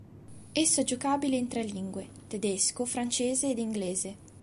Esso è giocabile in tre lingue: tedesco, francese ed inglese.